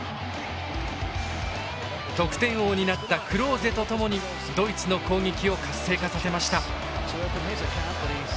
得点王になったクローゼとともにドイツの攻撃を活性化させました。